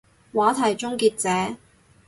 話題終結者